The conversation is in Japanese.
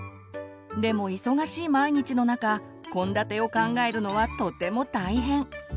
でも忙しい毎日の中献立を考えるのはとても大変。